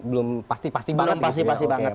belum pasti pasti banget pasti pasti banget